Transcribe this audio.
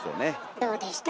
どうでした？